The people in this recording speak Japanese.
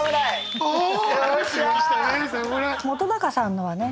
本さんのはね